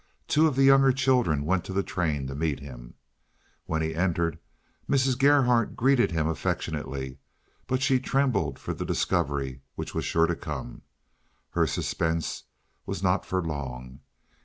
Two of the younger children went to the train to meet him. When he entered Mrs. Gerhardt greeted him affectionately, but she trembled for the discovery which was sure to come. Her suspense was not for long.